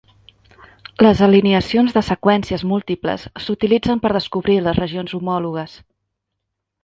Les alineacions de seqüències múltiples s'utilitzen per descobrir les regions homòlogues.